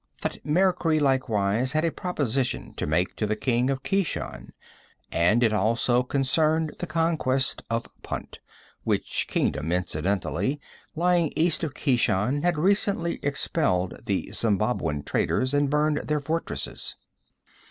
Thutmekri likewise had a proposition to make to the king of Keshan, and it also concerned the conquest of Punt which kingdom, incidentally, lying east of Keshan, had recently expelled the Zembabwan traders and burned their fortresses.